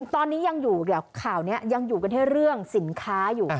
ตอนนี้ยังอยู่ข่าวนี้ยังอยู่กันที่เรื่องสินค้าอยู่